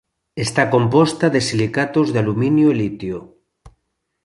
Está composta de silicatos de aluminio e litio.